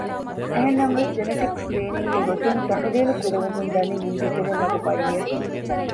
އެހެންނަމަވެސް ޖެނެޓިކް ސްކްރީނިންގ ގެ ގޮތުން ތަޙުލީލު ކުރެވެމުންދަނީ މީގެތެރެއިން މަދު ބައްޔެއް